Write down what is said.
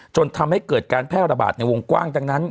จนทำให้เกิดการแพร่ระบาดในวงกว้างดังนั้น